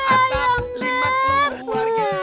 iya anak kita sudah gitu